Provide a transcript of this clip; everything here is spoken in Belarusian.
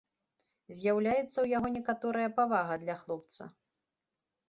З'яўляецца ў яго некаторая павага да хлапца.